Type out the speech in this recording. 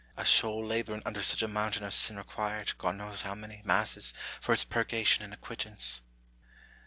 A soul labouring under such a mountain of sin required (God knows how many) masses for its purgation and acquittance.